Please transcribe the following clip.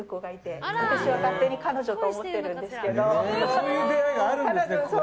そういう出会いがあるんですね。